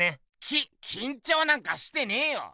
ききんちょうなんかしてねえよ。